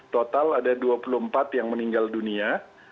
total ada dua puluh empat yang meninggal dunia